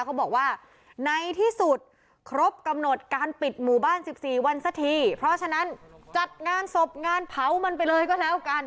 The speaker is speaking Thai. เขาบอกว่าในที่สุดครบกำหนดการปิดหมู่บ้าน๑๔วันสักทีเพราะฉะนั้นจัดงานศพงานเผามันไปเลยก็แล้วกัน